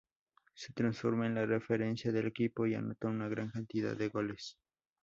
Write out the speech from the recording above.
Se transformó en la referencia del equipo y anotó una gran cantidad de goles.